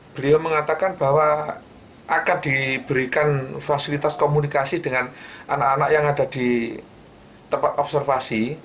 beliau mengatakan bahwa akan diberikan fasilitas komunikasi dengan anak anak yang ada di tempat observasi